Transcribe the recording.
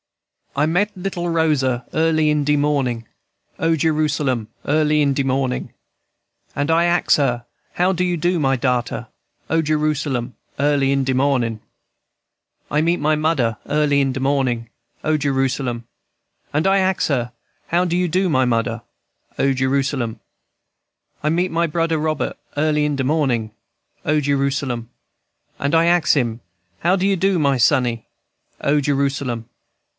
"I meet little Rosa early in de mornin', O Jerusalem! early in de mornin'; And I ax her, How you do, my darter? O Jerusalem! early in de mornin'. "I meet my mudder early in de mornin', O Jerusalem! &c. And I ax her, How you do, my mudder? O Jerusalem! &c. "I meet Brudder Robert early in de mornin', O Jerusalem! &c. And I ax him, How you do, my sonny? O Jerusalem!